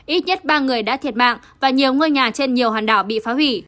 ít nhất ba người đã thiệt mạng và nhiều ngôi nhà trên nhiều hòn đảo bị phá hủy